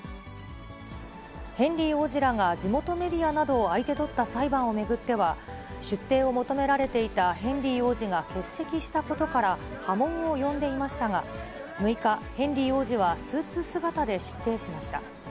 ヘンリー王子らが地元メディアなどを相手取った裁判を巡っては、出廷を求められていたヘンリー王子が欠席したことから、波紋を呼んでいましたが、６日、ヘンリー王子はスーツ姿で出廷しました。